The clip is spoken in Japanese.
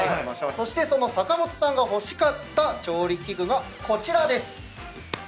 そしてその坂本さんが欲しかった調理器具がこちらです。